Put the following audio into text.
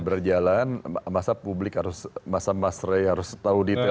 berjalan masa publik harus masa mas rey harus tahu detail